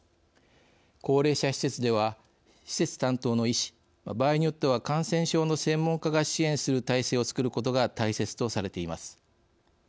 高齢者施設では施設担当の医師、場合によっては感染症の専門家が支援する体制をつくることが大切とされています。